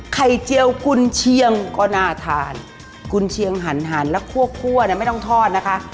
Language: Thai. ไข่เจียวกุญเชียงก็น่าทานกุญเชียงหันแล้วคั่วไม่ต้องทอดนะคะ